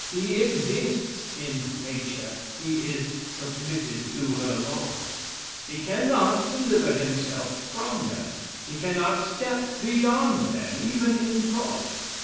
He exists in nature. He is submitted to her laws. He cannot deliver himself from them. He cannot step beyond them even in thought.